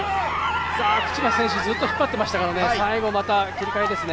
口町選手、ずっと引っ張ってましたから最後また切り替えですね。